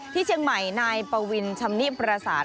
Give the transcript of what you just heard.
ที่เชียงใหม่นายปวินชำนิปราศาสตร์